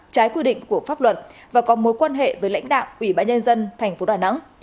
trái quy định của pháp luật và có mối quan hệ với lãnh đạo ủy bãi nhân dân thành phố đà nẵng